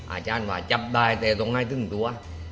อาจารย์ว่าจับได้แต่ต้องให้ถึงตัว